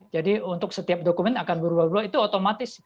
jadi untuk setiap dokumen akan berubah ubah itu otomatis